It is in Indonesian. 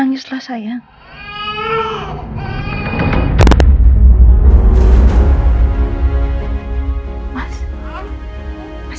untuk bisa lewatin ini semua